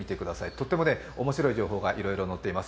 とってもおもしろい情報がいろいろ載っています。